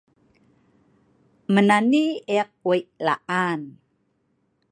Menani eek wei laan